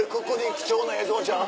貴重な映像ちゃう？